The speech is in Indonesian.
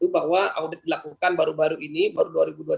bahwa audit dilakukan baru baru ini baru dua ribu dua puluh